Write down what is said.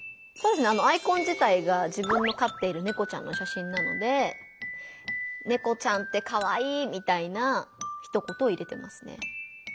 アイコン自体が自分のかっているネコちゃんの写真なので「ネコちゃんってカワイイ」みたいなひと言を入れてますね。